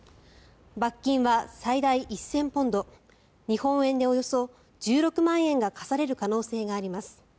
罰金は最大１０００ポンド日本円でおよそ１６万円が科される可能性があります。